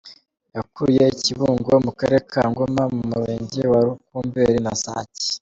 Yakuriye i Kibungo mu karere ka Ngoma, mu murenge wa Rukumberi na Sake.